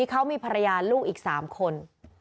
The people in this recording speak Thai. เขามีภรรยาลูกอีก๓คน